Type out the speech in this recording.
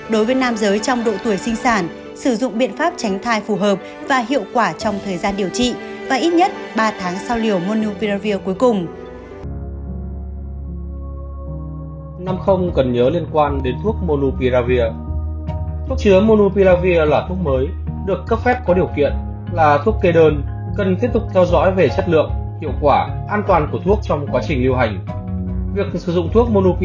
đối với nam giới trong độ tuổi sinh sản sử dụng biện pháp tránh thai phù hợp và hiệu quả trong thời gian điều trị